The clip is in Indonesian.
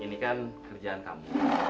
ini kan kerjaan kamu